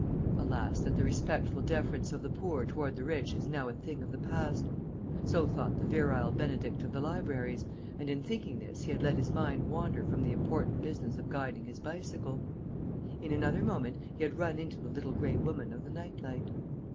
Alas, that the respectful deference of the poor toward the rich is now a thing of the past! So thought the Virile Benedict of the Libraries, and in thinking this he had let his mind wander from the important business of guiding his bicycle! In another moment he had run into the Little Grey Woman of the Night Light!